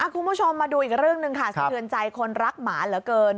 คุณผู้ชมมาดูอีกเรื่องหนึ่งค่ะสะเทือนใจคนรักหมาเหลือเกิน